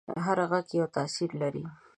هر غږ یو تاثیر لري.